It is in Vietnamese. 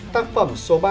tác phẩm số ba